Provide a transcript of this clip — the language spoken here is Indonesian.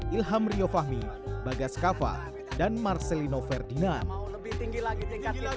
ilham rio fahmi bagas kava dan marcelino ferdinand